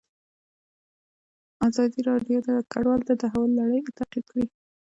ازادي راډیو د کډوال د تحول لړۍ تعقیب کړې.